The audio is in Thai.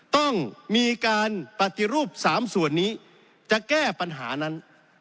ต้องมีการปฏิรูป๓ส่วนนี้จะแก้ปัญหานั้น